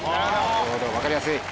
なるほど分かりやすい。